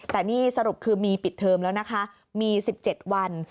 แต่นี่สรุปคือมีปิดเทอมแล้วนะคะมี๑๗วัน